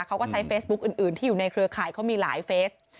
เขาก็ใช้เฟซบุ๊กอื่นที่อยู่ในเครือข่ายเขามีหลายเฟส